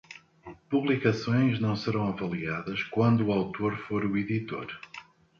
Publicações não serão avaliadas quando o autor for o editor.